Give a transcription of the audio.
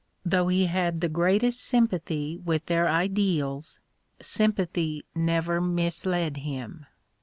Though he had the greatest sym pathy with their ideals, sympathy never misled him.